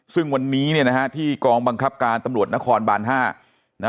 ซึ่งวันนี้เนี่ยนะฮะที่กองบังคับการตำรวจนครบาน๕